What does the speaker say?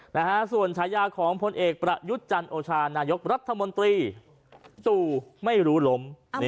นะฮะส่วนฉายาของพลเอกประยุทธ์จันโอชานายกรัฐมนตรีจู่ไม่รู้ล้ม